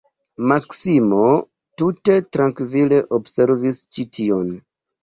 Maksimo tute trankvile observis ĉi tion.